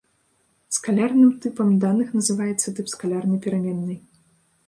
Скалярным тыпам даных называецца тып скалярнай пераменнай.